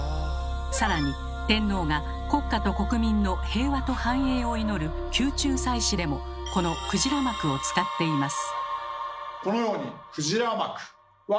さらに天皇が国家と国民の平和と繁栄を祈る「宮中祭祀」でもこの鯨幕を使っています。